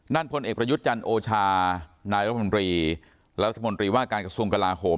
พลเอกประยุทธ์จันทร์โอชานายรัฐมนตรีรัฐมนตรีว่าการกระทรวงกลาโหม